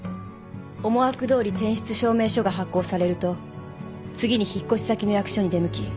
思惑どおり転出証明書が発行されると次に引っ越し先の役所に出向き